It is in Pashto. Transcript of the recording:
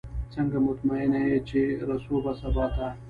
څنګه مطمئنه یې چې رسو به سباته؟